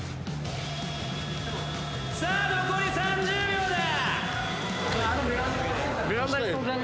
さあ残り３０秒だ！